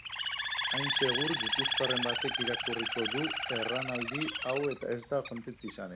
Hain segur gipuzkoarren batek irakurriko du erranaldi hau eta ez da kontent izanen.